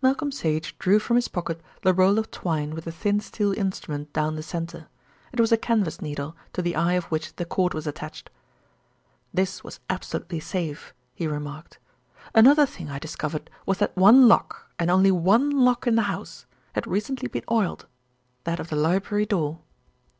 Malcolm Sage drew from his pocket the roll of twine with the thin steel instrument down the centre. It was a canvas needle, to the eye of which the cord was attached. "This was absolutely safe," he remarked. "Another thing I discovered was that one lock, and only one lock in the house, had recently been oiled that of the library door."